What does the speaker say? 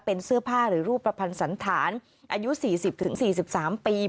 เป็นเสื้อผ้าหรือรูปประพันธ์สันธารอายุ๔๐๔๓ปี